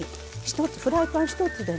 フライパン１つでね